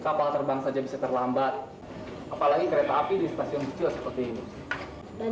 kapal terbang saja bisa terlambat apalagi kereta api di stasiun kecil seperti ini dan